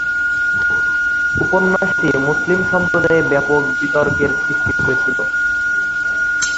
উপন্যাসটি মুসলিম সম্প্রদায়ে ব্যাপক বিতর্কের সৃষ্টি করেছিল।